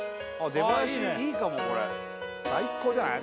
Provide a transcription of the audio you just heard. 出囃子いいかもこれ最高じゃない？